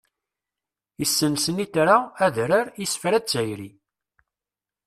Issen snitra, adrar, isefra d tayri.